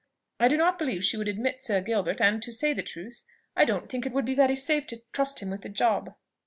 I do not believe she would admit Sir Gilbert; and, to say the truth, I don't think it would be very safe to trust him with the job."